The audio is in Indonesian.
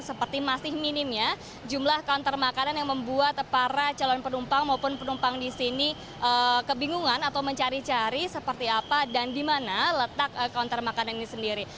seperti masih minimnya jumlah konter makanan yang membuat para calon penumpang maupun penumpang di sini kebingungan atau mencari cari seperti apa dan di mana letak konter makanan ini sendiri